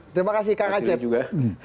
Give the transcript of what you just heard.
terima kasih mas sili juga